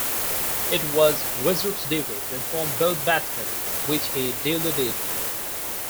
It was Weser's duty to inform both batsmen which he duly did.